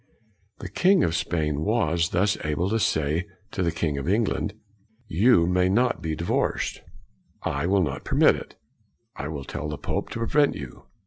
The king of Spain was thus able to say to the king of England, " You may not be divorced. I will not permit it. I will tell the pope to prevent you.''